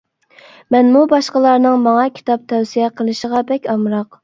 مەنمۇ باشقىلارنىڭ ماڭا كىتاب تەۋسىيە قىلىشىغا بەك ئامراق!